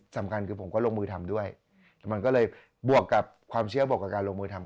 สำคัญคือผมก็ลงมือทำด้วยมันก็เลยบวกกับความเชื่อบวกกับการลงมือทำ